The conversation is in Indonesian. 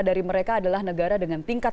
dari mereka adalah negara dengan tingkat